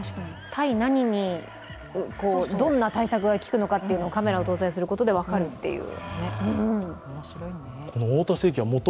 対何に、どんな対策が効くのかというのがカメラを搭載することで分かるという。